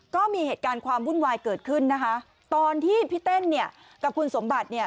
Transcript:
ก็มีเหตุการณ์ความวุ่นวายเกิดขึ้นนะคะตอนที่พี่เต้นเนี่ยกับคุณสมบัติเนี่ย